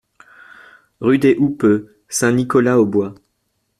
Rue des Houppeux, Saint-Nicolas-aux-Bois